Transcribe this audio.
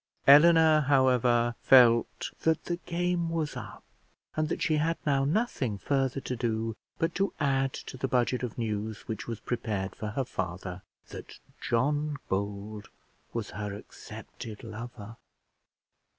Eleanor, however, felt that the game was up, and that she had now nothing further to do but to add to the budget of news which was prepared for her father, that John Bold was her accepted lover.